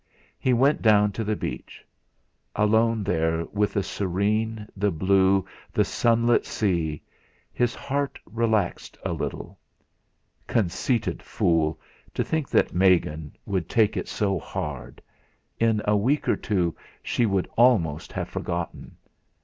He went down to the beach. Alone there with the serene, the blue, the sunlit sea, his heart relaxed a little. Conceited fool to think that Megan would take it so hard! In a week or two she would almost have forgotten!